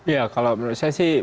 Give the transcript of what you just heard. ya kalau menurut saya sih